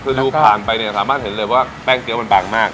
คือดูผ่านไปเนี่ยสามารถเห็นเลยว่าแป้งเตี๊มันบางมาก